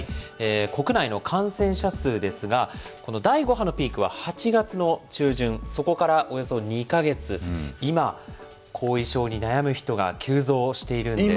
国内の感染者数ですが、この第５波のピークは８月の中旬、そこからおよそ２か月、今、後遺症に悩む人が急増しているんです。